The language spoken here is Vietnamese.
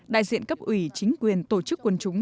đại diện cấp ủy chính quyền tổ chức quân chúng